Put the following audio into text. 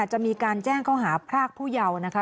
จะมีการแจ้งข้อหาพรากผู้เยาว์นะคะ